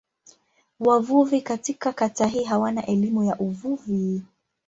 Wavuvi katika kata hii hawana elimu ya uvuvi.